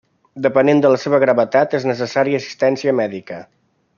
Depenent de la seva gravetat, és necessària assistència mèdica.